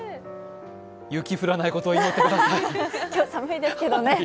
雪降らないことを祈ってください。